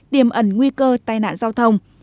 điểm ẩn nguy cơ tai nạn giao thông